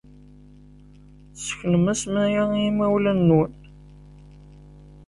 Tesseknem-asen aya i yimawlan-nwen?